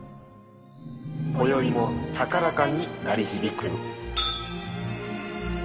こよいも高らかに鳴り響く。